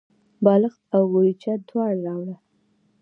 بالښت او کوربچه دواړه راوړه.